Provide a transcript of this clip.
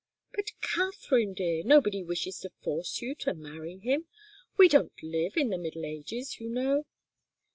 "But, Katharine, dear nobody wishes to force you to marry him. We don't live in the Middle Ages, you know."